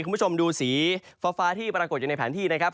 คุณผู้ชมดูสีฟ้าที่ปรากฏอยู่ในแผนที่นะครับ